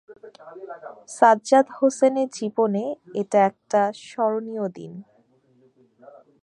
সাজ্জাদ হোসেনের জীবনে এটা একটা স্মরণীয় দিন।